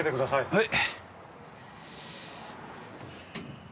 はい。